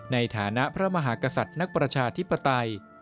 ในฐานะพระมหากษัตริย์นักประชาธิปไตย